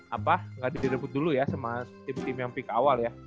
apa nggak direbut dulu ya sama tim tim yang peak awal ya